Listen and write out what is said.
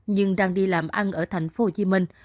nhưng đang đi làm ăn ở thành phố hồ chí minh